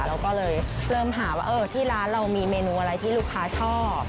เราก็เลยเริ่มหาว่าที่ร้านเรามีเมนูอะไรที่ลูกค้าชอบ